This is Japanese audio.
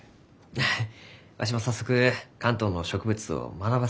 ああわしも早速関東の植物を学ばせてもろうてます。